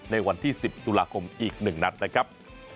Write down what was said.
ในวันที่๑๐ตุลาคมอีก๑นัดนะครับ